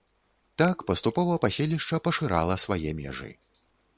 Так паступова паселішча пашырала свае межы.